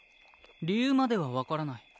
理由までは分からない。